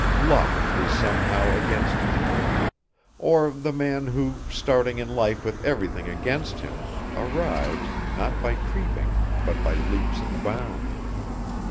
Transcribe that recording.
Luck is somehow against him. Or the man who, starting in life with everything against him, arrives, not by creeping, but by leaps and bounds.